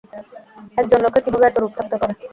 একজন লোকের কীভাবে এত রূপ থাকতে পারে?